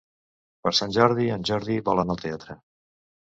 Per Sant Jordi en Jordi vol anar al teatre.